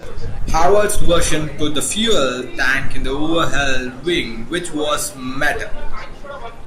Houart's version put the fuel tank in the overhead wing, which was metal.